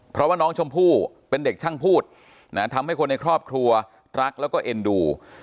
เพราะว่าน้องชมพู่เป็นเด็กช่างพูดนะทำให้คนในครอบครัวรักแล้วก็เอ็นดู